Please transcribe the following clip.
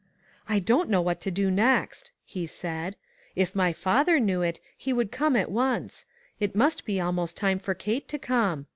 "I don't know what to do next," he said; "if my father knew it, he would come at once. It must be almost time for Kate to come.